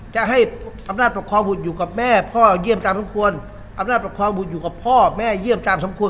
จะให้อำนาจปกครองบุตรอยู่กับแม่พ่อเยี่ยมตามสมควรอำนาจปกครองบุตรอยู่กับพ่อแม่เยี่ยมตามสมควร